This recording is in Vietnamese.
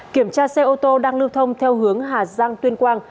kiểm tra xe ô tô đang lưu thông theo hướng hà giang tuyên quang